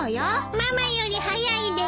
ママより早いです。